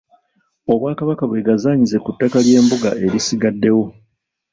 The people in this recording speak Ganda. Obwakabaka bwegazaanyize ku ttaka ly’embuga erisigaddewo.